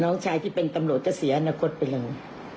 น้องชายที่เป็นตำรวจก็เสียอนาคตไปเลย